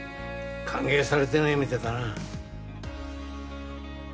歓迎されてないみてえだな。